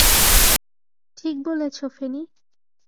ঠিক বলেছ ফেনি!